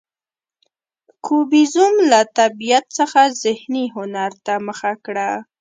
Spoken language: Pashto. کوبیزم له طبیعت څخه ذهني هنر ته مخه وکړه.